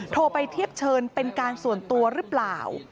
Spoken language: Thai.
โทรไปเทียบเชิญเป็นการส่วนตัวหรือเปล่า